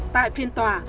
tại phiên tòa